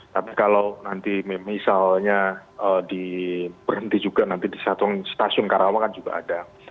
tapi kalau nanti misalnya berhenti juga nanti di stasiun karawang kan juga ada